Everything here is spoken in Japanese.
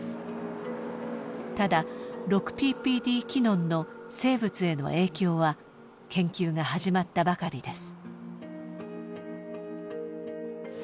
ただ６ＰＰＤ−キノンの生物への影響は研究が始まったばかりです。